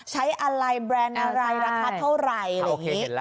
ใช้อะไรแบรนด์อะไรราคาเท่าไหร่